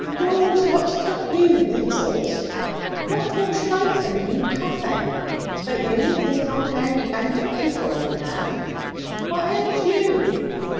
'Laws! What's took you? Measles? What for should I think of me coffin? That's about the only thing as I'll ne'er be bound to pay for.' He laughed. 'What ails you?'